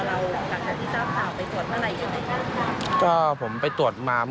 อีกประมาณ๒เดือนค่อยมาตรวจอีกทีครับ